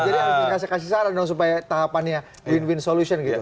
jadi harusnya kasih saran dong supaya tahapannya win win solution gitu